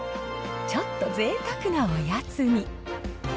ちょっとぜいたくなおやつに。